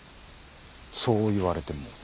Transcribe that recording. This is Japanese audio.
そう言われても。